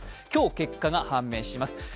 今日、結果が判明します。